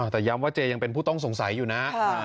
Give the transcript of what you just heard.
แต่ย้ำว่าเจยังเป็นผู้ต้องสงสัยอยู่นะ